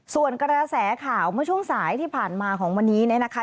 ส่วนกระแสข่าวเมื่อช่วงสายที่ผ่านมาของวันนี้